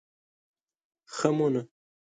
خمونه